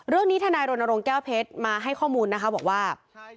เรื่องนี้ทนายโรนโรงแก้วเพชรมาให้ข้อมูลนะคะบอกว่า